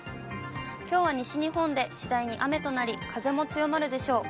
きょうは西日本で次第に雨となり、風も強まるでしょう。